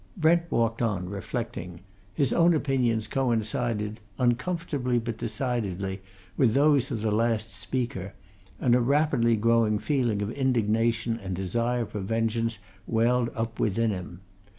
Brent walked on, reflecting. His own opinions coincided, uncomfortably but decidedly, with those of the last speaker, and a rapidly growing feeling of indignation and desire for vengeance welled up within him.